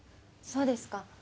そうですか。